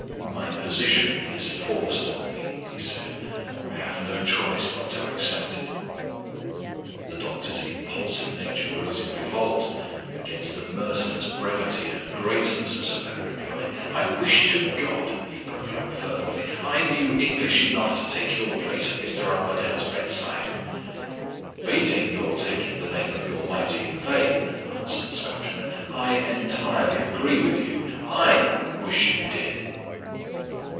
"My position is forced on me," he said. "I have no choice but to accept it." The doctor's impulsive nature rose in revolt against the merciless brevity and gracelessness of that reply. "I wish to God," he broke out fervently, "I knew English enough to take your place at Mr. Armadale's bedside!" "Bating your taking the name of the Almighty in vain," answered the Scotchman, "I entirely agree with you. I wish you did."